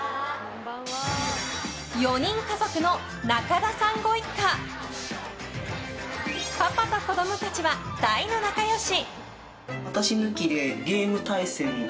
４人家族の仲田さんご一家パパと子供たちは大の仲良し。